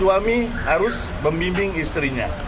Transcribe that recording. yang dikeluarkan dan hilang bak sneftanya